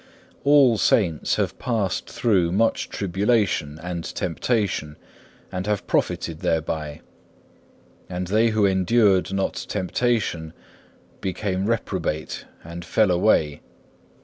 All Saints have passed through much tribulation and temptation, and have profited thereby. And they who endured not temptation became reprobate and fell away.